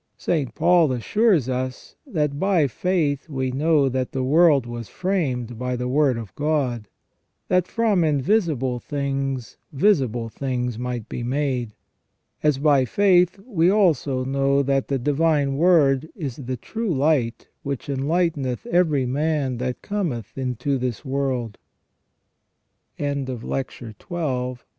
St. Paul assures us that " by faith we know that the world was framed by the Word of God ; that from invisible things visible things might be made ". As by faith we also know that the Divine Word is " the true light, which enlighteneth every man that cometh into this world ".* S. Leo, Serm. i, De Nativ.